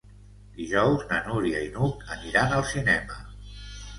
Dijous na Núria i n'Hug aniran al cinema.